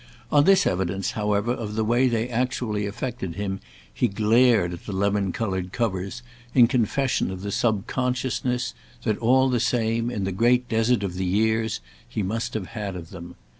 On this evidence, however, of the way they actually affected him he glared at the lemon coloured covers in confession of the subconsciousness that, all the same, in the great desert of the years, he must have had of them.